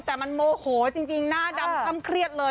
แต่มันโมโหจริงหน้าดำค่ำเครียดเลย